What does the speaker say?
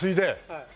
はい。